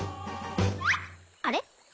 あれ？